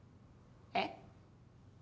えっ？